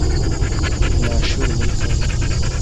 Nta shuri muri Kanama.